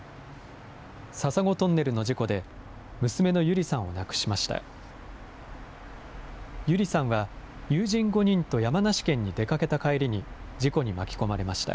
笹子トンネルの事故で娘の友梨さんを亡くしました。